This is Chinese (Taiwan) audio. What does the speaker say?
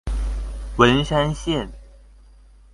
文山線